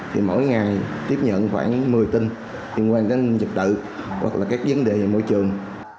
thì mỗi ngày tiếp nhận khoảng một mươi tin liên quan đến dịch tự hoặc là các vấn đề môi trường